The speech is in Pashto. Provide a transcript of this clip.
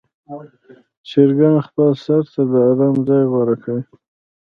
چرګان خپل سر ته د آرام ځای غوره کوي.